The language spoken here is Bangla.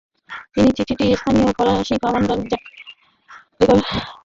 তিনি চিঠিটি স্থানীয় ফরাসি কমান্ডার জাক লেগার্দিয়ো দে সেন্ট-পিঁয়েরের কাছে পাঠান।